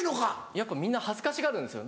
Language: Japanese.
やっぱみんな恥ずかしがるんですよ。